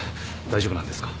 大丈夫なんですか？